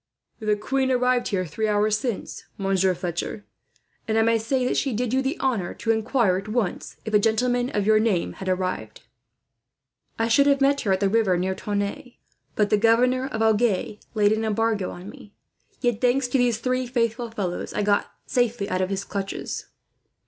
"The queen arrived here three hours since, Monsieur Fletcher; and I may say that she did you the honour to inquire, at once, if a gentleman of your name had arrived." "I should have met her at the river near Tonneins, but the governor of Agen laid an embargo on me. Yet, thanks to these three faithful fellows, I got safely out of his clutches."